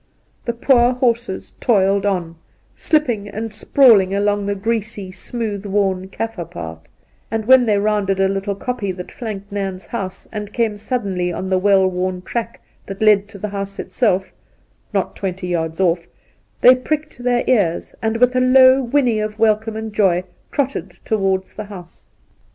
The poor horses toiled on, slipping and sprawling along the greasy, smooth worn Kaffir path, and when they rounded a little koppie that flanked Nairn's house, and came suddenly on the well worn track that led to the house itself — ^not twenty yards , off — they pricked their ears, and with a low whinny of welcome and joy trotted towards the house.